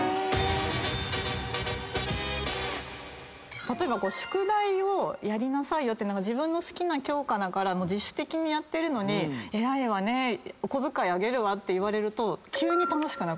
例えば宿題をやりなさいよって自分の好きな教科だから自主的にやってるのに「偉いわねお小遣いあげる」と言われると急に楽しくなくなっちゃう。